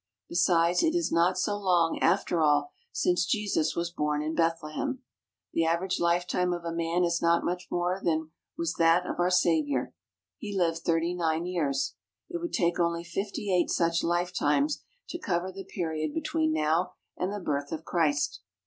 Besides, it is not so long, after all, since Jesus was born in Bethlehem. The average lifetime of a man is not much more than was that of our Saviour. He lived thirty three years. It would take only fifty eight such lifetimes to cover the period between now and the birth of Christ.